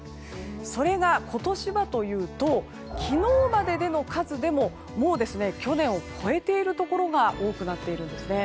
それが今年はというと昨日まででの数でももう去年を超えているところが多くなっているんですね。